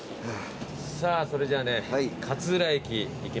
さぁそれじゃあね。